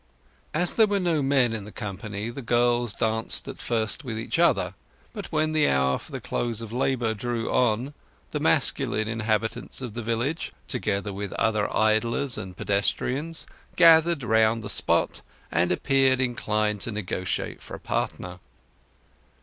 As there were no men in the company, the girls danced at first with each other, but when the hour for the close of labour drew on, the masculine inhabitants of the village, together with other idlers and pedestrians, gathered round the spot, and appeared inclined to negotiate for a partner.